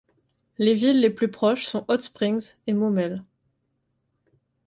Les villes les plus proches sont Hot Springs et Maumelle.